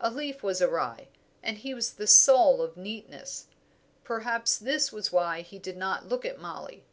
A leaf was awry, and he was the soul of neatness. Perhaps this was why he did not look at Mollie.